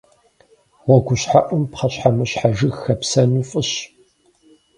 Гъуэгущхьэӏум пхъэщхьэмыщхьэ жыг хэпсэну фӏыщ.